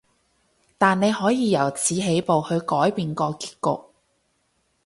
但你可以由此起步，去改變個結局